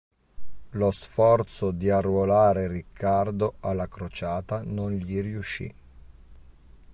Lo sforzo di arruolare Riccardo alla crociata non gli riuscì.